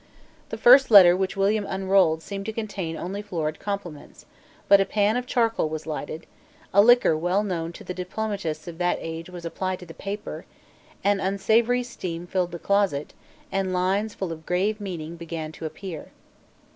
The first letter which William unrolled seemed to contain only florid compliments: but a pan of charcoal was lighted: a liquor well known to the diplomatists of that age was applied to the paper: an unsavoury steam filled the closet; and lines full of grave meaning began to appear.